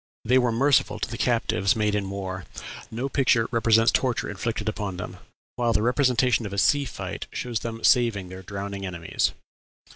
They were merciful to the captives made in war; no picture represents torture inflicted upon them; while the representation of a sea fight shows them saving their drowning enemies.